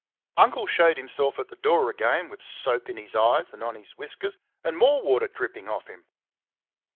Uncle showed himself at the door again with soap in his eyes and on his whiskers, and more water dripping off him.